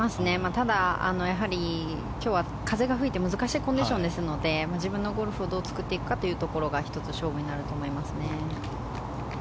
ただ、今日は風が吹いて難しいコンディションですので自分のゴルフをどう作っていくかというところが１つ勝負になると思いますね。